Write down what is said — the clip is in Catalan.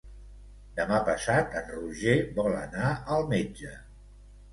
Demà passat en Roger vol anar al metge.